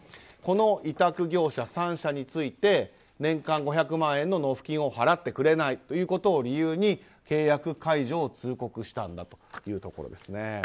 この委託業者３社について年間５００万円の納付金を払ってくれないということを理由に契約解除を通告したんだということです。